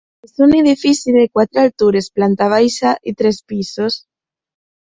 És un edifici de quatre altures, planta baixa i tres pisos.